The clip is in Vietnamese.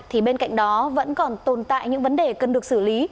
thì bên cạnh đó vẫn còn tồn tại những vấn đề cần được xử lý